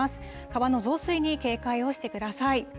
川の増水に警戒をしてください。